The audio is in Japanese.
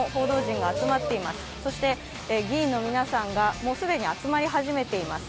そして、議員の皆さんが既に集まり始めています。